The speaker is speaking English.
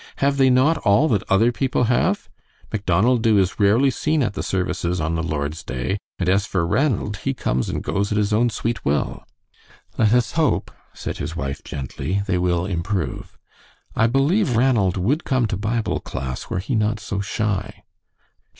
Have they not all that other people have? Macdonald Dubh is rarely seen at the services on the Lord's day, and as for Ranald, he comes and goes at his own sweet will." "Let us hope," said his wife, gently, "they will improve. I believe Ranald would come to Bible class were he not so shy."